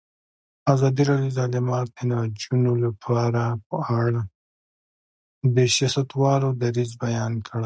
ازادي راډیو د تعلیمات د نجونو لپاره په اړه د سیاستوالو دریځ بیان کړی.